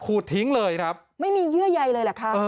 ทิ้งเลยครับไม่มีเยื่อใยเลยเหรอคะ